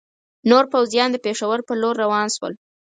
نور پوځیان د پېښور پر لور روان شول.